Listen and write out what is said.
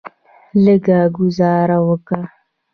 لږه ګوزاره وکه.